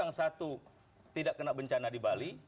yang satu tidak kena bencana di bali